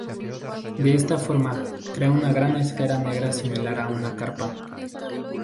De esta forma, crea una gran esfera negra similar a una carpa.